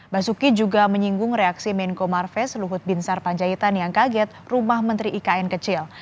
basuki juga menyinggung reaksi menko marves luhut bin sarpanjaitan yang kaget rumah menteri ikn kecil